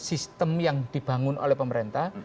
sistem yang dibangun oleh pemerintah